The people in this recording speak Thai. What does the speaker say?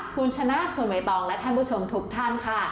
คุณชนะคุณใบตองและท่านผู้ชมทุกท่านค่ะ